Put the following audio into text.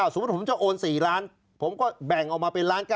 สมมุติผมจะโอน๔ล้านผมก็แบ่งออกมาเป็นล้าน๙